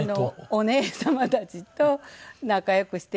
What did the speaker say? お姉様たちと仲良くしていただいて。